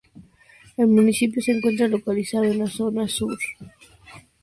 El municipio se encuentra localizado en la zona sur del departamento homónimo.